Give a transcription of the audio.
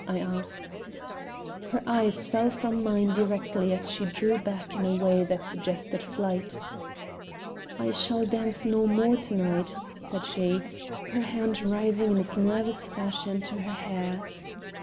I asked. Her eyes fell from mine directly and she drew back in a way that suggested flight. "I shall dance no more to night," said she, her hand rising in its nervous fashion to her hair.